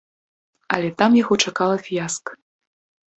Але там яго чакала фіяска.